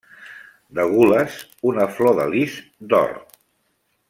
De gules, una flor de lis d'or.